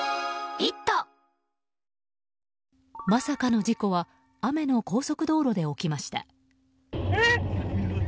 まさかの事故は雨の高速道路で起きました。